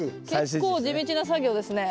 結構地道な作業ですね。